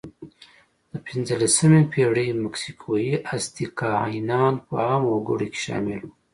د پینځلسمې پېړۍ مکسیکويي آزتک کاهنان په عامو وګړو کې شامل وو.